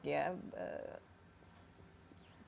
banyak yang mengatakan